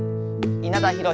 稲田浩。